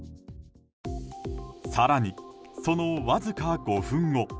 更に、そのわずか５分後。